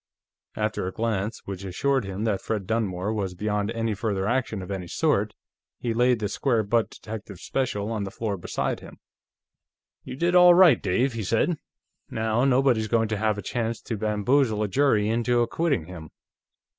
After a glance which assured him that Fred Dunmore was beyond any further action of any sort, he laid the square butt Detective Special on the floor beside him. "You did all right, Dave," he said. "Now, nobody's going to have a chance to bamboozle a jury into acquitting him."